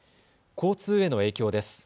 交通への影響です。